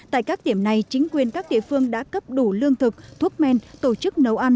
tại các điểm này chính quyền các địa phương đã cấp đủ lương thực thuốc men tổ chức nấu ăn